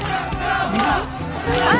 あっ。